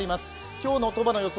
今日の鳥羽の予想